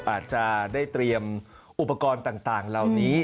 อาจจะได้เตรียมอุปกรณ์ต่างเหล่านี้